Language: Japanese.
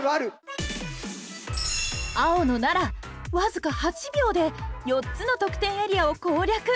青の奈良わずか８秒で４つの得点エリアを攻略！